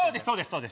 そうです